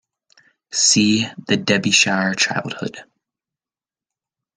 See "The Derbyshire Childhood..."